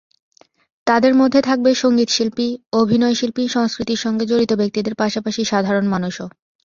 তাদের মধ্যে থাকবে সংগীতশিল্পী, অভিনয়শিল্পী, সংস্কৃতির সঙ্গে জড়িত ব্যক্তিদের পাশাপাশি সাধারণ মানুষও।